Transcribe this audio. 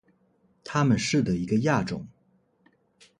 它们是的一个亚种。